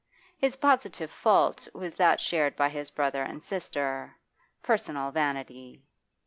His positive fault was that shared by his brother and sister personal vanity.